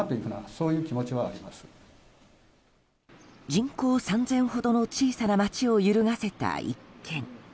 人口３０００ほどの小さな町を揺るがせた一件。